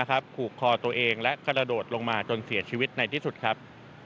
ผูกคอตัวเองและกระโดดลงมาจนเสียชีวิตในที่สุดครับ